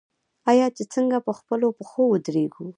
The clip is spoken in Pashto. آیا چې څنګه په خپلو پښو ودریږو؟